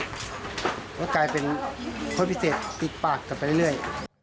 แล้วกลายเป็นโคตรพิเศษติดปากกันไปเรื่อย